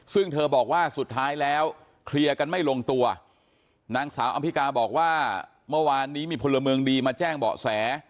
ซึ่งเธอบอกว่าสุดท้ายแล้วเคลียร์กันไม่ลงตัวนางสาวอำพิกาบอกว่าเมื่อวานนี้มีพลเมืองดีมาแจ้งเบาะแส